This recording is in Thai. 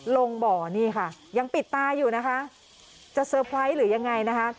ลงบ่อนี่ค่ะยังปิดตาอยู่นะคะจะเตอร์ไพรส์หรือยังไงนะคะ